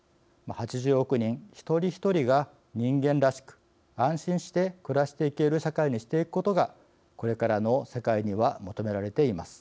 ８０億人、一人一人が人間らしく安心して暮らしていける社会にしていくことがこれからの世界には求められています。